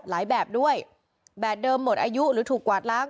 แบบด้วยแบบเดิมหมดอายุหรือถูกกวาดล้าง